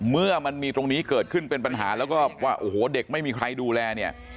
เมื่อมันมีตรงนี้เกิดขึ้นเป็นปัญหาแล้วก็ว่าโอ้โหเด็กไม่มีใครดูแลเนี่ย